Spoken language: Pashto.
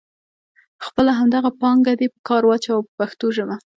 خپله همدغه پانګه دې په کار واچوه په پښتو ژبه.